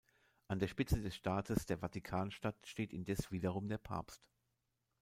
An der Spitze des Staates der Vatikanstadt steht indes wiederum der Papst.